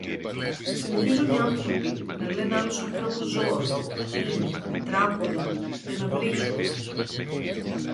Συνηθίζουν οι άνθρωποι να λεν άλλους ανθρώπους «ζώα», «κτήνη», τετράποδα», για να βρίσουν